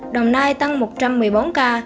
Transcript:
đồng nai tăng một trăm một mươi bốn ca